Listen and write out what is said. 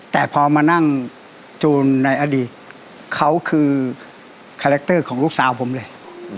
แต่พอมานั่งจูนในอดีตเขาคือคาแรคเตอร์ของลูกสาวผมเลย